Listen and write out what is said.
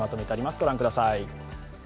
御覧ください。